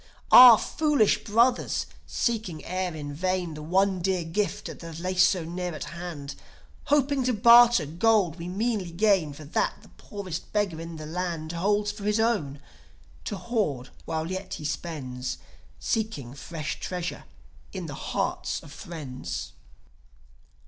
Ah, foolish brothers, seeking e'er in vain The one dear gift that liesso near at hand; Hoping to barter gold we meanly gain For that the poorest beggar in the land Holds for his own, to hoard while yet he spends; Seeking fresh treasure in the hearts of friends.